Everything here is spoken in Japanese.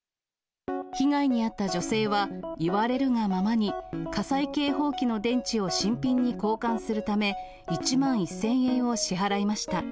被害に遭った女性は、言われるがままに火災警報器の電池を新品に交換するため、１万１０００円を支払いました。